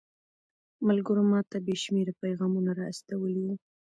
ملګرو ماته بې شمېره پيغامونه را استولي وو.